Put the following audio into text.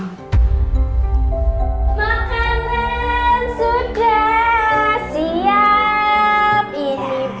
makanan sudah siap ini